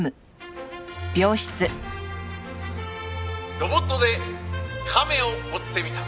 「ロボットで亀を折ってみた！」